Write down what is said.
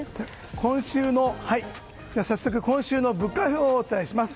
では早速、今週の物価予報をお伝えします。